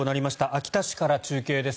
秋田市から中継です。